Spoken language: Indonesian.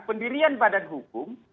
pendirian badan hukum